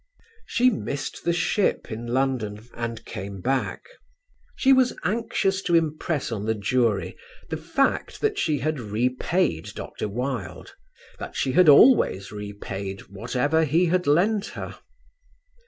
She missed the ship in London and came back. She was anxious to impress on the jury the fact that she had repaid Dr. Wilde, that she had always repaid whatever he had lent her.